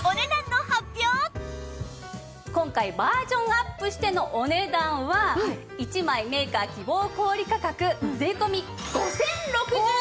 今回バージョンアップしてのお値段は１枚メーカー希望小売価格税込５０６０円です！